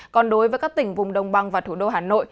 còn đối với các tỉnh vùng đồng bằng và thủ đô hà nội